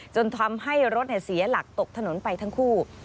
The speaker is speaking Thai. จนทำให้รถเสียหลักตกถนนไปทั้งคู่